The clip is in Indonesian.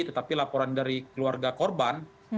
tetapi laporan dari keluarga korban